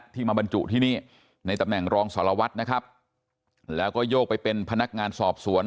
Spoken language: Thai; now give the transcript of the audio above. ที่มาบรรจุที่นี่ในตำแหน่งรองสารวัตรนะครับแล้วก็โยกไปเป็นพนักงานสอบสวน